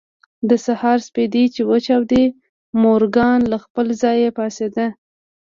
د سهار سپېدې چې وچاودېدې مورګان له خپل ځايه پاڅېد.